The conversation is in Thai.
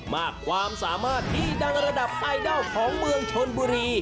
มากความสามารถที่ดังระดับไอดอลของเมืองชนบุรี